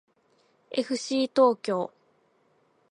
えふしー東京